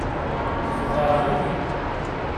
Txedɛeḍ-iyi.